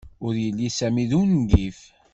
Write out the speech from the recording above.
Ur yelli Sami d ungif.